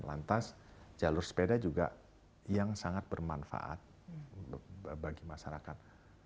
lantas jalur sepeda juga yang sangat bermanfaat bagi masyarakat